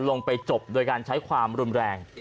จบโดยการใช้ความรุนแรง